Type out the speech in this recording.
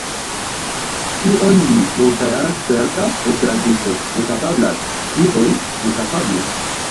Kion li, multjara sperta esperantisto, ne kapablas, kiel mi kapablus?